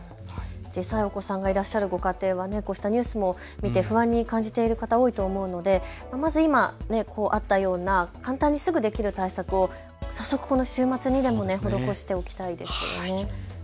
実際、お子さんがいらっしゃるご家庭、ニュースを見て不安に感じているご家庭も多いと思うので今あったような簡単にすぐできる対策を早速、この週末にでも施しておきたいところですよね。